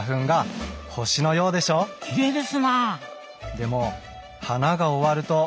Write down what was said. でも花が終わると。